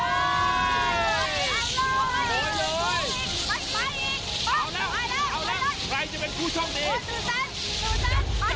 เอาแล้วเอาแล้วใครจะเป็นผู้ชมดี